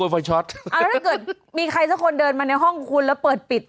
แล้วถ้าเกิดมีใครสักคนเดินมาในห้องคุณแล้วเปิดปิด